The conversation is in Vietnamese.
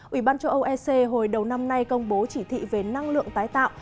ủy ban châu âu ec hồi đầu năm nay công bố chỉ thị về năng lượng tái tạo